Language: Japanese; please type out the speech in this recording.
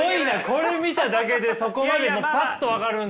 これ見ただけでそこまでもうパッと分かるんだ。